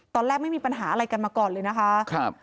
ตอนแรกไม่มีปัญหาอะไรกันมาก่อนเลยนะคะ